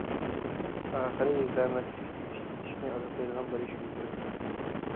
ئاخىرى، يۈز بەرمەسلىككە تېگىشلىك، كىشىنى ئازابلايدىغان بىر ئىش يۈز بېرىپتۇ.